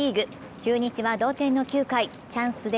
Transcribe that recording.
中日は同点の９回、チャンスで